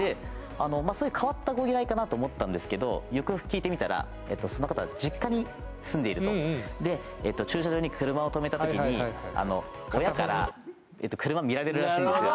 そういう変わったご依頼かなと思ったんですけどよくよく聞いてみたらその方実家に住んでいるとで駐車場に車をとめたときに親から車見られるらしいんですよ